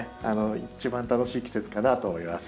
一番楽しい季節かなと思います。